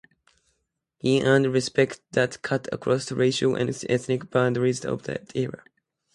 He earned respect that cut across the racial and ethnic boundaries of that era.